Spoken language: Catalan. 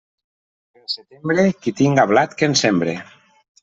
Pel setembre, qui tinga blat, que en sembre.